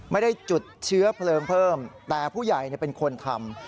ไม่ได้จุดเชื้อเพลิงเพิ่มแต่ผู้ใหญ่เป็นคนทำ